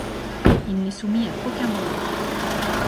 Il n'est soumis à aucun brevet.